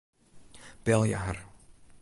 Belje har.